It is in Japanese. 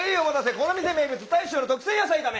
この店名物大将の特製野菜炒め！